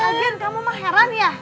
agen kamu mah heran ya